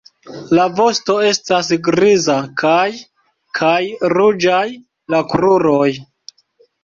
La vosto estas griza kaj kaj ruĝaj la kruroj.